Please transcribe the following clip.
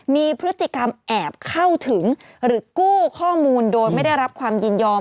มีพฤติกรรมแอบเข้าถึงหรือกู้ข้อมูลโดยไม่ได้รับความยินยอม